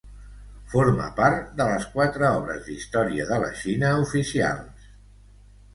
Forma part de les quatre obres d'història de la Xina oficials.